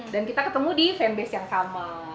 dan kita ketemu di fanbase yang sama